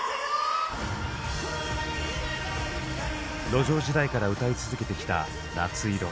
路上時代から歌い続けてきた「夏色」。